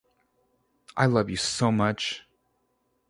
I love you so much.